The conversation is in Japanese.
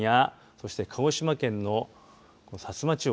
そして鹿児島県のこの薩摩地方